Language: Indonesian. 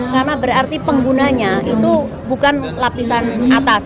karena berarti penggunanya itu bukan lapisan atas